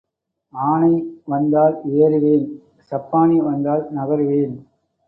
ஆனை வந்தால் ஏறுவேன் சப்பாணி வந்தால் நகருவேன்.